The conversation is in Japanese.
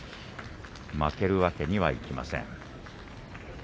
負けるわけにはいきません。